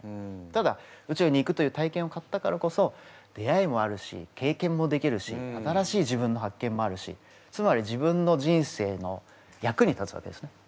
ただ宇宙に行くという体験を買ったからこそ出会いもあるし経験もできるし新しい自分の発見もあるしつまり自分の人生の役に立つわけですね。